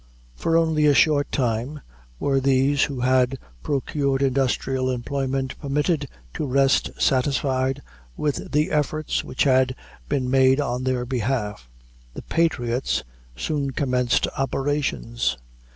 For only a short time were these who had procured industrial employment permitted to rest satisfied with the efforts which had been made on their behalf. The "patriots" soon commenced operations.